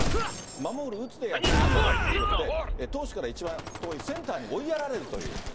守る打つで野球なんだろうということで、投手から一番遠いセンターに追いやられるという。